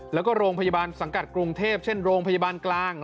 แล้วก็โรงพยาบาลสังกัดกรุงเทพเช่นโรงพยาบาลกลาง